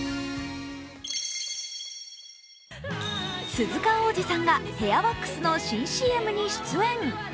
鈴鹿央士さんがヘアワックスの新ＣＭに出演。